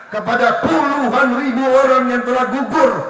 kepada puluhan ribu orang yang telah gugur